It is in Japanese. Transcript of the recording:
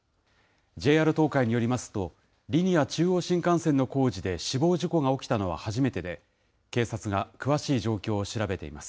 ＪＲ東海によりますと、リニア中央新幹線の工事で死亡事故が起きたのは初めてで、警察が詳しい状況を調べています。